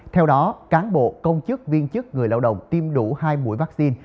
theo đó cán bộ công chức viên chức người lao động tiêm đủ hai mũi vaccine